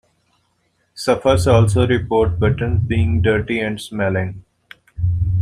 Suffers also report buttons being dirty and smelling.